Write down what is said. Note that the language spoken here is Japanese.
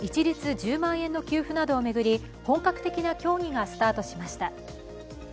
１０万円の給付などを巡り、本格的な協議がスタートしました。